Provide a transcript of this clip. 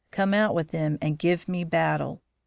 Come out with them and give me battle.